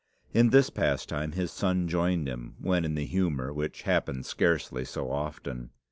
In this pastime his son joined him when in the humour, which happened scarcely so often.